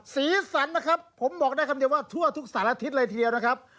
สีสันนะครับผมบอกได้คำเดียวว่าทั่วทุกสารอาทิตย์เลยทีเดียวนะครับ